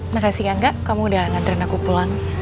makasih enggak kamu udah ngantren aku pulang